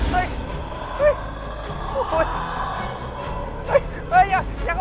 ไปไอ้มายอยู่ออกชีวิตให้ไว้